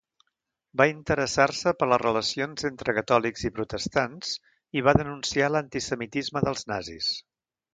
Va interessar-se per les relacions entre catòlics i protestants i va denunciar l'antisemitisme dels nazis.